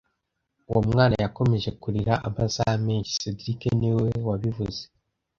Uwo mwana yakomeje kurira amasaha menshi cedric niwe wabivuze